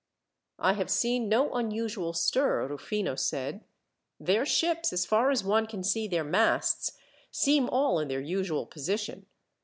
"I have seen no unusual stir," Rufino said. "Their ships, as far as one can see their masts, seem all in their usual position.